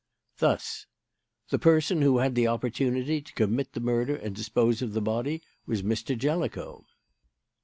Thus: "The person who had the opportunity to commit the murder and dispose of the body was Mr. Jellicoe.